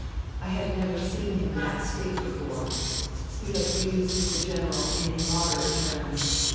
I had never seen him in that state before. He abused the General in immoderate terms.